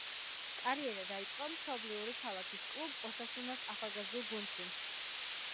კარიერა დაიწყო მშობლიური ქალაქის კლუბ „ოსასუნას“ ახალგაზრდულ გუნდში.